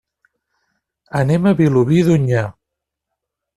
Anem a Vilobí d'Onyar.